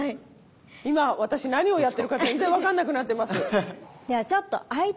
今私何をやってるか全然分かんなくなってます。